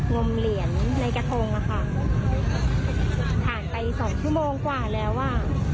งมเหรียญในกระทงอะค่ะผ่านไปสองชั่วโมงกว่าแล้วอ่ะ